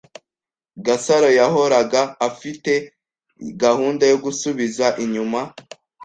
Gasaro yahoraga afite gahunda yo gusubiza inyuma.